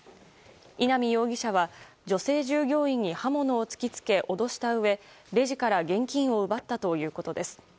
稲見容疑者は女性従業員に刃物を突き付け、脅したうえレジから現金を奪ったということです。